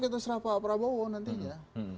di kota serapa prabowo nantinya